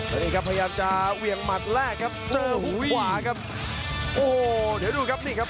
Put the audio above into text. แล้วนี่ครับพยายามจะเหวี่ยงหมัดแรกครับเจอหูขวาครับโอ้โหเดี๋ยวดูครับนี่ครับ